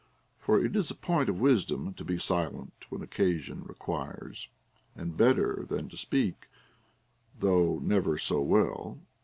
For it is a point of wisdom to be silent when occasion re quires, and better than to speak, though never so well.